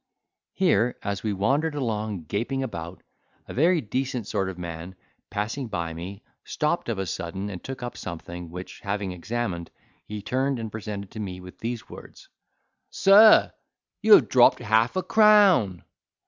Here, as we wandered along gaping about, a very decent sort of a man, passing by me, stopped of a sudden and took up something, which having examined, he turned and presented to me with these words: "Sir, you have dropped half a crown."